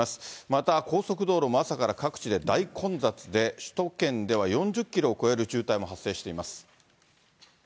また高速道路も朝から各地で大混雑で、首都圏では４０キロを超える渋滞も発生しています。